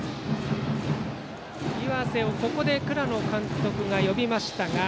岩瀬をここで倉野監督が呼びましたが。